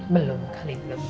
belum kali ini belum